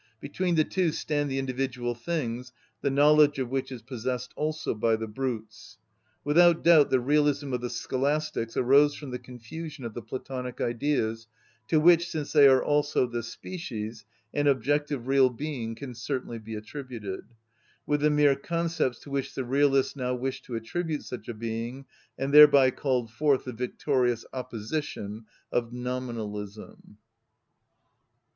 Between the two stand the individual things, the knowledge of which is possessed also by the brutes. Without doubt the realism of the Scholastics arose from the confusion of the Platonic Ideas, to which, since they are also the species, an objective real being can certainly be attributed, with the mere concepts to which the Realists now wished to attribute such a being, and thereby called forth the victorious opposition of Nominalism.